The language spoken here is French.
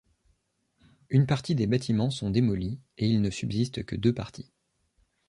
Une partie des bâtiments sont démolies et il ne subsistent que deux parties.